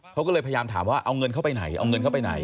เขาก็เลยพยายามถามว่าเอาเงินเข้าไปไหนเอาเงินเข้าไปไหน